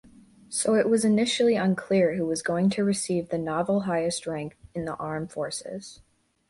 So it was initially unclear who was going to receive the novel highest rank in the armed forces.